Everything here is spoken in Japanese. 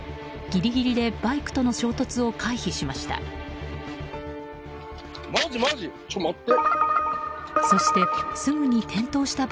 ギリギリでバイクとの衝突を回避しました。